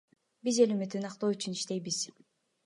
Биз эл үмүтүн актоо үчүн иштейбиз.